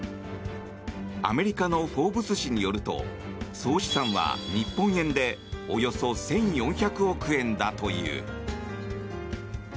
アメリカの「フォーブス」誌によると総資産は、日本円でおよそ１４００億円だという。